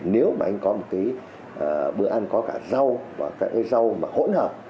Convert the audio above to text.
nếu mà anh có một bữa ăn có cả rau và các rau hỗn hợp